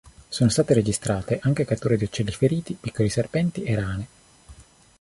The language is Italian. Sono state registrate anche catture di uccelli feriti, piccoli serpenti e rane.